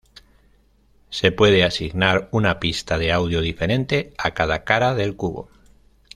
Se puede asignar una pista de audio diferente, a cada cara del cubo.